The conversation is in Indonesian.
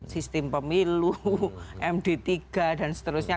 sistem pemilu md tiga dan seterusnya